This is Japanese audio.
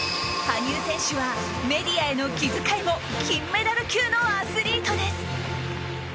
羽生選手はメディアへの気遣いも金メダル級のアスリートです。